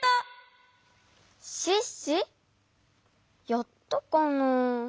やったかな？